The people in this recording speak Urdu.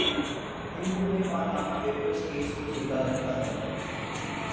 انھوں نے پاناما پیپرز کیس کو زندہ رکھا ہے۔